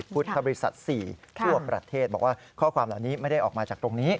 พุทธบริษัท๔ทั่วประเทศบอกว่าข้อความเหล่านี้ไม่ได้ออกมาจากตรงนี้